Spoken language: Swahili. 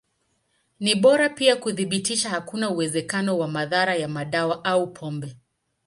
Ni bora pia kuthibitisha hakuna uwezekano wa madhara ya madawa au pombe.